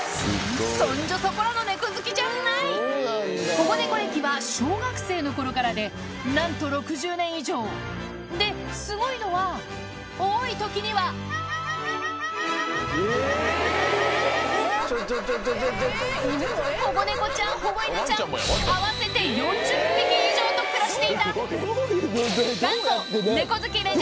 保護猫歴は小学生の頃からでなんと６０年以上ですごいのは多い時には保護猫ちゃん保護犬ちゃん合わせてゴシゴシゴシ。